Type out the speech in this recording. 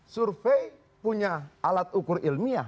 survei punya alat ukur ilmiah